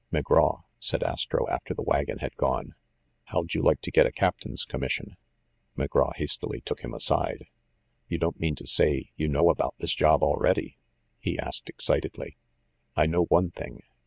"McGraw," said Astro, after the wagon had gone, "how'd you like to get a captain's commission?" McGraw hastily took him aside. "You don't mean to say you know about this job already?" he asked ex citedly. "I know one thing.